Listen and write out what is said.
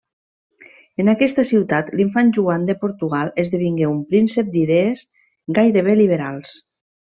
En aquesta ciutat l'infant Joan de Portugal esdevingué un príncep d'idees gairebé liberals.